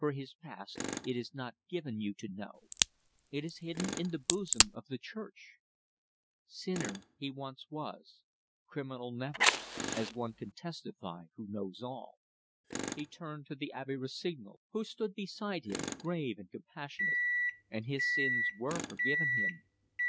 For his past, it is not given you to know. It is hidden in the bosom of the Church. Sinner he once was, criminal never, as one can testify who knows all" he turned to the Abbe Rossignol, who stood beside him, grave and compassionate "and his sins were forgiven him.